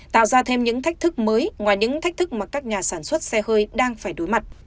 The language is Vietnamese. tạo ra thêm những thách thức mới ngoài những thách thức mà các nhà sản xuất xe hơi đang phải đối mặt